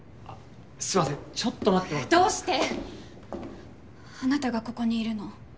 すいませんちょっと待ってどうしてあなたがここにいるの？